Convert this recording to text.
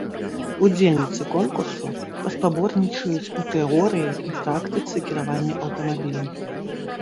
Удзельніцы конкурсу паспаборнічаюць у тэорыі і практыцы кіравання аўтамабілем.